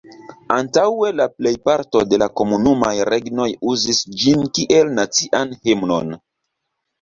Antaŭe la plejparto de la Komunumaj Regnoj uzis ĝin kiel nacian himnon.